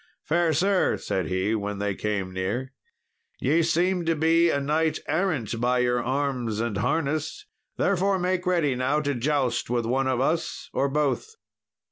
"Fair sir," said he, when they came near, "ye seem to be a knight errant by your arms and harness, therefore make ready now to joust with one of us, or both."